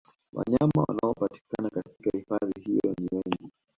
Wanyama wanaopatikana katika hifadhi hiyo ni wengi